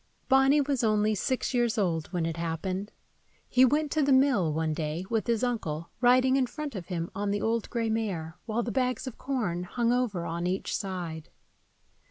BONNY was only six years old when it happened. He went to the mill, one day, with his uncle, riding in front of him on the old gray mare, while the bags of corn hung over on each side.